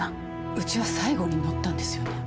うちは最後に乗ったんですよね？